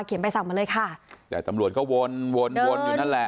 ใบสั่งมาเลยค่ะแต่ตำรวจก็วนวนวนอยู่นั่นแหละ